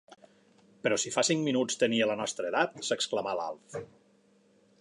Però si fa cinc minuts tenia la nostra edat —s'exclamà l'Alf—.